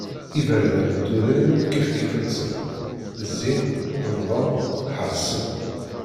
Iberdan n tudrin akk kif kif-nsen, zzin, nnḍen, ḥerṣen.